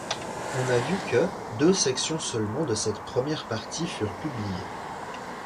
On a vu que, deux sections seulement de cette première partie furent publiées.